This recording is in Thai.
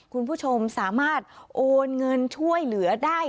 คุณผู้ชมสามารถโอนเงินช่วยเหลือได้